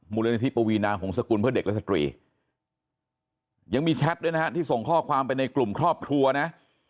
มูลนิธิปวีนาหงษกุลเพื่อเด็กและสตรียังมีแชทด้วยนะฮะที่ส่งข้อความไปในกลุ่มครอบครัวนะ